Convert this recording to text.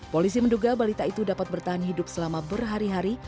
polisi menduga balita itu dapat bertahan hidup selama berhari hari